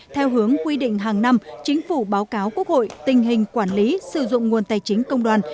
theo hướng quy định hàng năm chính phủ báo cáo quốc hội tình hình quản lý sử dụng nguồn tài chính công đoàn